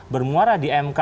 bermuara di mk